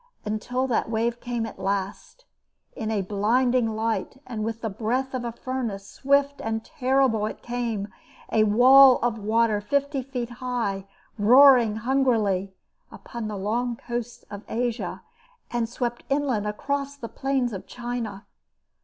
Until that wave came at last in a blinding light and with the breath of a furnace, swift and terrible it came a wall of water, fifty feet high, roaring hungrily, upon the long coasts of Asia, and swept inland across the plains of China.